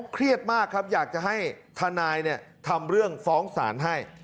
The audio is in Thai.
เครียดมากครับอยากจะให้ทนายทำเรื่องฟ้องศาลให้